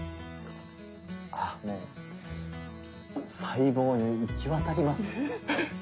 ああ細胞に行き渡ります。